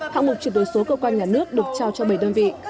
hạng mục chuyển đổi số cơ quan nhà nước được trao cho bảy đơn vị